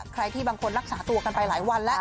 ใครที่บางคนรักษาตัวกันไปหลายวันแล้ว